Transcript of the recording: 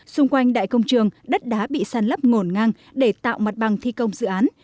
xung quanh đại công trường đất đá bị sàn lấp ngổn ngang để tạo mặt bằng thi công dự án